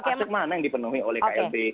aspek mana yang dipenuhi oleh klb